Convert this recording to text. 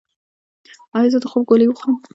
ایا زه د خوب ګولۍ وخورم؟